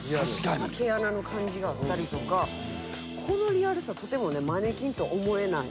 毛穴の感じがあったりとかこのリアルさとてもマネキンと思えない。